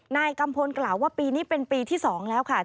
กัมพลกล่าวว่าปีนี้เป็นปีที่๒แล้วค่ะ